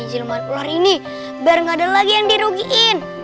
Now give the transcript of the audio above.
biar gak ada lagi yang dirugiin